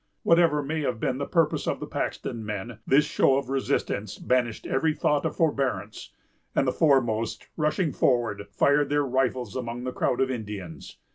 Whatever may have been the purpose of the Paxton men, this show of resistance banished every thought of forbearance; and the foremost, rushing forward, fired their rifles among the crowd of Indians.